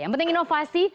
yang penting inovasi